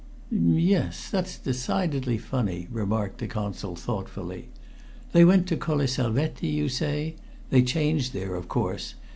"Yes. That's decidedly funny," remarked the Consul thoughtfully. "They went to Colle Salvetti, you say? They changed there, of course.